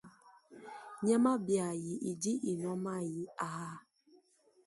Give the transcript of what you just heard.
Nyama biayi idi inua mayi aa.